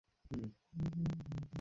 আমি তোমাকে বাঁচাতে চেয়েছি।